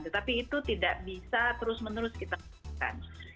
tetapi itu tidak bisa terus menerus kita lakukan